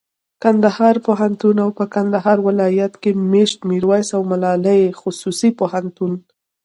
کندهار پوهنتون او په کندهار ولایت کښي مېشت میرویس او ملالي خصوصي پوهنتون